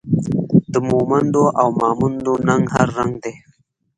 د مومندو او ماموندو ننګ هر رنګ دی